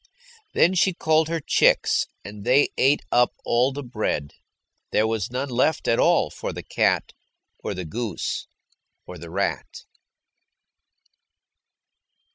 Then she called her chicks, and they ate up all the bread. There was none left at all for the cat, or the goose, or the rat.